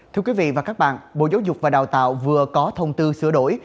thưa quý vị và các bạn bộ giáo dục và đào tạo vừa có thông tư sửa đổi